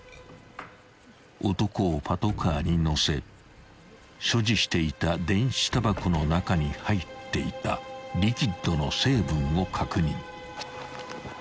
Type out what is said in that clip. ［男をパトカーに乗せ所持していた電子たばこの中に入っていたリキッドの成分を確認］